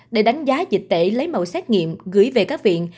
để đánh giá dịch tễ lấy mẫu xét nghiệm gửi về các viện